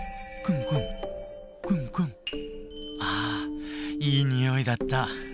あいいにおいだった。